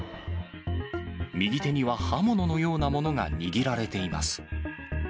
右手には刃物のようなものが握られています。